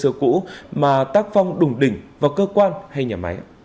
là tháng ăn chơi xưa cũ mà tác phong đùng đỉnh vào cơ quan hay nhà máy